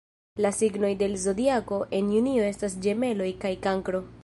La signoj de la Zodiako en junio estas Ĝemeloj kaj Kankro.